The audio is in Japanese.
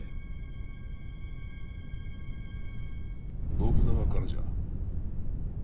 信長からじゃ。